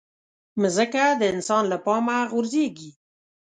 مځکه د انسان له پامه غورځيږي.